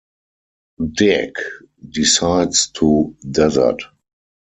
Dick decides to desert.